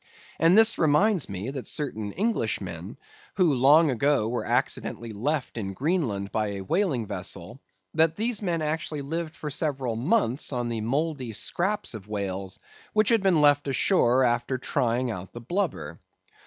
And this reminds me that certain Englishmen, who long ago were accidentally left in Greenland by a whaling vessel—that these men actually lived for several months on the mouldy scraps of whales which had been left ashore after trying out the blubber.